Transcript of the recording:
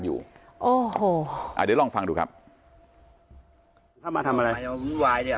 อยู่โอ้โหอ่ะเดี๋ยวลองฟังดูครับพี่คะมาทำอะไร